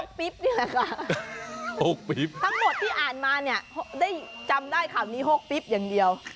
หกปี๊บเนี่ยแหละค่ะหกปี๊บทั้งหมดที่อ่านมาเนี่ยได้จำได้คำนี้หกปี๊บอย่างเดียว